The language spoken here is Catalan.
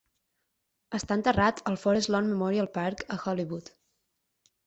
Està enterrat al Forest Lawn Memorial Park a Hollywood.